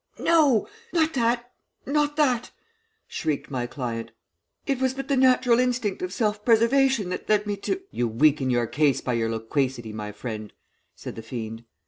"'No not that not that!' shrieked my client. 'It was but the natural instinct of self preservation that led me to ' "'You weaken your cause by your loquacity, my friend,' said the fiend.